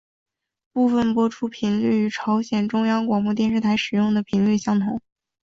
部分播出频率与朝鲜中央广播电台使用的频率相同。